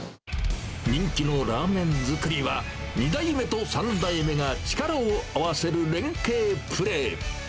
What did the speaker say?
人気のラーメン作りは、２代目と３代目が力を合わせる連係プレー。